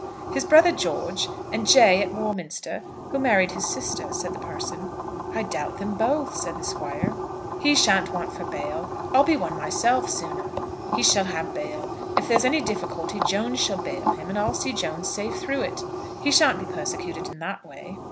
"His brother George, and Jay, at Warminster, who married his sister," said the parson. "I doubt them both," said the Squire. "He sha'n't want for bail. I'll be one myself, sooner. He shall have bail. If there's any difficulty, Jones shall bail him; and I'll see Jones safe through it. He sha'n't be persecuted in that way."